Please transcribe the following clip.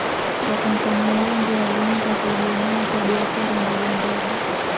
watanzania wengi walianza kujiinua kwa biashara ndogondogo